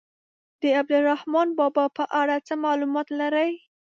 د عبدالرحمان بابا په اړه څه معلومات لرئ.